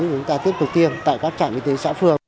chúng ta tiếp tục tiêm tại các trạm y tế xã phường